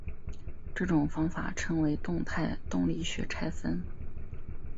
这种方法称为动态动力学拆分。